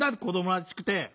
子どもらしくて。